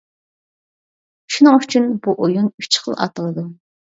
شۇنىڭ ئۈچۈن بۇ ئويۇن ئۈچ خىل ئاتىلىدۇ.